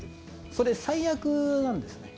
それ最悪なんですね。